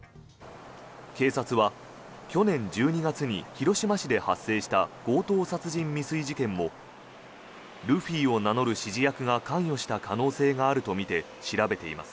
警察は去年１２月に広島市で発生した強盗殺人未遂事件もルフィを名乗る指示役が関与した可能性があるとみて調べています。